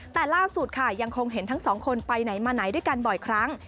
แต่ล่าสุดค่ะยังคงเห็นทั้งสองคนไปไหนมาไหนด้วยกันบ่อยครั้ง